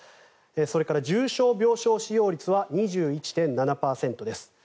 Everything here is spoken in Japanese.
それから重症病床使用率は２１．７％です。